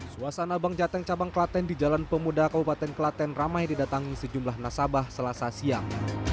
suasana bank jateng cabang klaten di jalan pemuda kabupaten klaten ramai didatangi sejumlah nasabah selasa siang